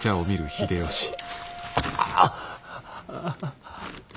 あっ。